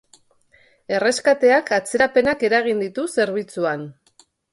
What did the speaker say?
Erreskateak atzerapenak eragin ditu zerbitzuan.